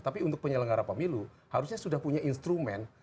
tapi untuk penyelenggara pemilu harusnya sudah punya instrumen